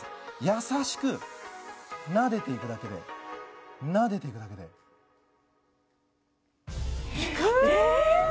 優しくなでていくだけでなでていくだけでえ！